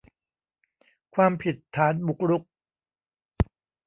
ความผิดฐานบุกรุก